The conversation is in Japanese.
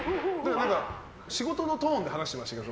仕事のトーンで話してましたけど。